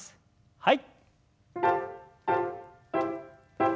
はい。